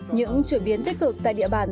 những chuyển biến tích cực tại địa bàn